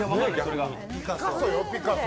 ピカソよ、ピカソ。